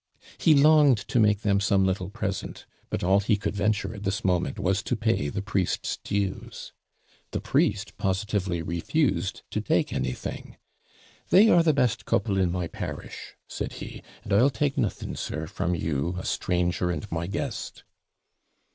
He longed to make them some little present, but all he could venture at this moment was to pay the priest's DUES. The priest positively refused to take anything. 'They are the best couple in my parish,' said he; 'and I'll take nothing, sir, from you, a stranger and my guest.'